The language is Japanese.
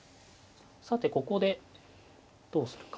さてここでどうするか。